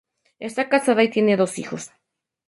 Está casada y tiene dos hijos.